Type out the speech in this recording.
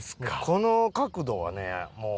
この角度はねもう。